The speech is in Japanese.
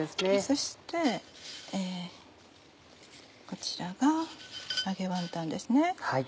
そしてこちらが揚げワンタンですね。